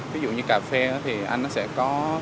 ví dụ như cà phê thì anh nó sẽ có